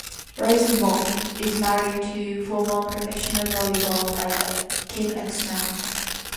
Rosenbach is married to former professional volleyball player Kim Exner.